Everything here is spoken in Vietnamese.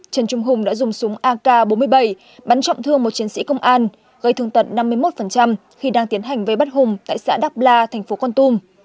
trần trung hùng đã dùng súng ak bốn mươi bảy bắn trọng thương một chiến sĩ công an gây thương tật năm mươi một khi đang tiến hành với bắt hùng tại xã đắp la thành phố con tôm